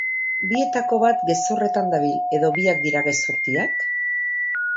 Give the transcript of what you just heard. Bietako bat gezurretan dabil edo biak dira gezurtiak?